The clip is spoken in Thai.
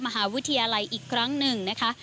มหาวิทยาลัยอีกครั้งหนึ่งนะคะ